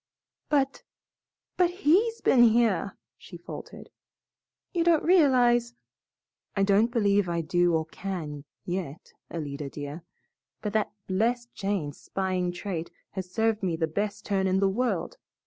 "But but HE'S been here," she faltered; "you don't realize " "I don't believe I do or can, yet, Alida, dear, but that blessed Jane's spying trait has served me the best turn in the world.